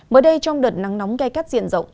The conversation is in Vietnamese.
mới đây trong đợt nắng nóng gây cắt diện rộng